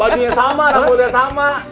bajunya sama rambutnya sama